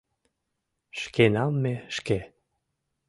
Шкенам ме шке